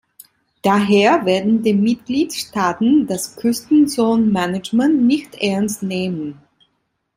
Daher werden die Mitgliedstaaten das Küstenzonenmanagement nicht ernst nehmen.